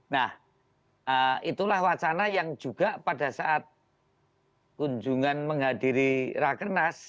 nah itulah wacana yang juga pada saat kunjungan menghadiri rakernas